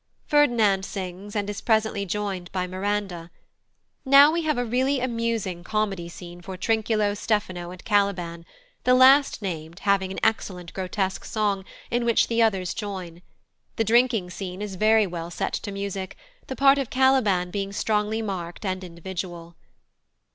Ferdinand sings, and is presently joined by Miranda. Now we have a really amusing comedy scene for Trinculo, Stephano, and Caliban, the last named having an excellent grotesque song, in which the others join. The drinking scene is very well set to music, the part of Caliban being strongly marked and individual.